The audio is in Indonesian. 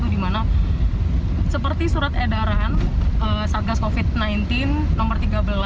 di mana seperti surat edaran satgas covid sembilan belas nomor tiga belas